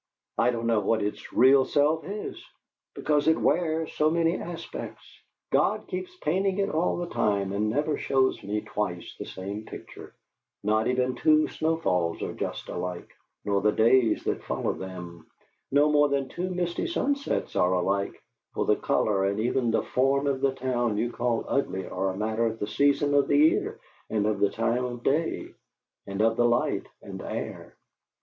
I don't know what its real self is, because it wears so many aspects. God keeps painting it all the time, and never shows me twice the same picture; not even two snowfalls are just alike, nor the days that follow them; no more than two misty sunsets are alike for the color and even the form of the town you call ugly are a matter of the season of the year and of the time of day and of the light and air.